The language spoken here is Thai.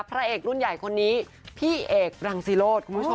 พระเอกรุ่นใหญ่คนนี้พี่เอกรังสิโรธคุณผู้ชม